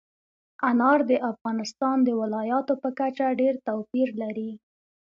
انار د افغانستان د ولایاتو په کچه ډېر توپیر لري.